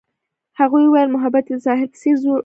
هغې وویل محبت یې د ساحل په څېر ژور دی.